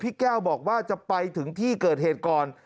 แก้วบอกว่าจะไปถึงที่เกิดเหตุก่อน